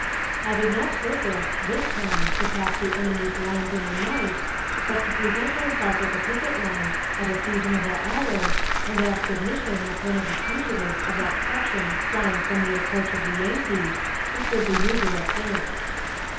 I did not purpose, this time, to pass the enemy's lines in the night, but to present myself at the picket line, at a seasonable hour, and ask admission as one of the fugitives of that section flying from the approach of the Yankees, which was a usual thing.